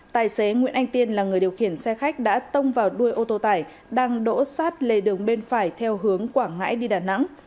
tài xế nguyễn anh tiên là người điều khiển xe khách đã tông vào đuôi ô tô tải đang đỗ sát lề đường bên phải theo hướng quảng ngãi đi đà nẵng